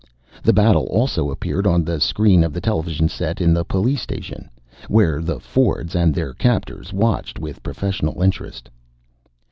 The battle also appeared on the screen of the television set in the police station, where the Fords and their captors watched with professional interest.